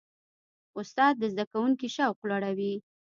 استاد د زده کوونکي شوق لوړوي.